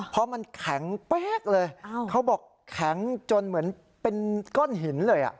เพราะมันแข็งเป๊กเลยเขาบอกแข็งจนเหมือนเป็นก้อนหินเลย